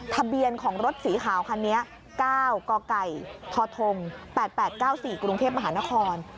ทะเบียนของรถสีขาวคันนี้๙กไก่ทท๘๘๙๔กรุงเทพมหานคร